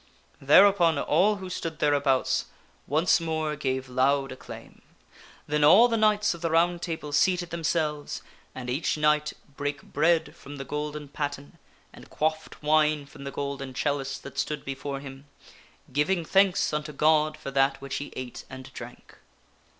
Thereupon all who stood thereabouts once more gave loud acclaim. Then all the knights of the Round Table seated themselves, and each knight brake bread from the golden patten, and quaffed wine from the golden chalice that stood before him, giving thanks unto God for that which he ate and drank.